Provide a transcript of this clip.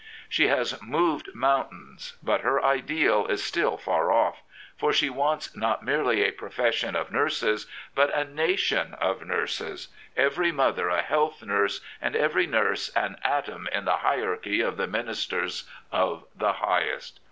She has moved mountains, but her ideal is still far off. For she wants not merely a profession of nurses, but a nation of nurses — every mother a health nurse and every nurse an atom in the hierarchy of the Ministers of the Highest."